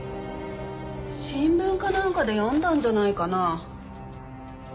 新聞かなんかで読んだんじゃないかな。